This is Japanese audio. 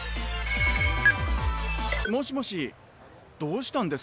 もしもしどうしたんです？